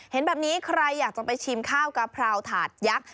เห็นแบบนี้ใครอยากจะไปชิมข้าวกะเพราถาดยักษ์